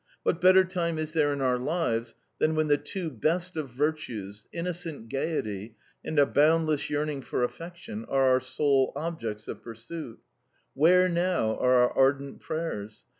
What better time is there in our lives than when the two best of virtues innocent gaiety and a boundless yearning for affection are our sole objects of pursuit? Where now are our ardent prayers?